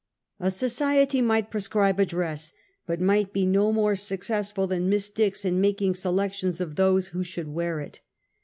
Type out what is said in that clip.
A society might prescribe a dress, but might be no more successful than Miss Dix in making selections of those who should wear it.